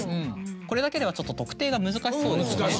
これだけではちょっと特定が難しそうですね。